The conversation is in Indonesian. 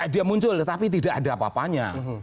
dia muncul tapi tidak ada apa apanya